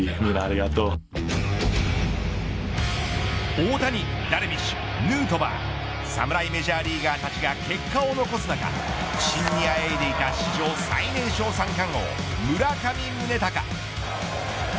大谷、ダルビッシュヌートバー侍メジャーリーガーたちが結果を残す中不振にあえいでいた史上最年少三冠王、村上宗隆。